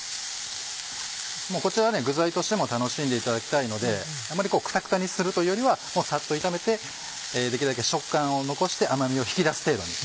こちらは具材としても楽しんでいただきたいのであんまりくたくたにするというよりはサッと炒めてできるだけ食感を残して甘みを引き出す程度に。